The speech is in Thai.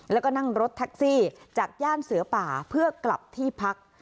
แล้วก็นั่งรถแท็กซี่จากย่านเสือป่าเพื่อกลับที่พัก